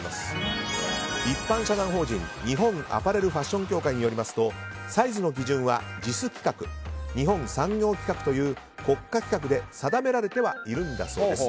一般社団法人日本アパレルファッション協会によりますとサイズの基準はＪＩＳ規格日本産業規格という国家規格で定められてはいるんだそうです。